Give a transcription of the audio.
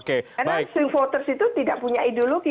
karena swing voters itu tidak punya ideologi